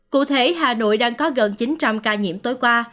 cụ thể hà nội đang có gần chín trăm linh ca nhiễm tối qua